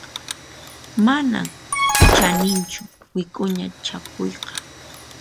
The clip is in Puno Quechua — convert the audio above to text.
Manan chaninchu wik'uña chakuyqa.